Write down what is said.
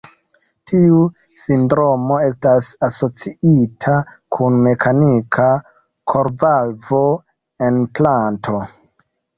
Tiu sindromo estas asociita kun mekanika korvalvo-enplanto.